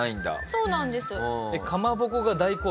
そうなんです。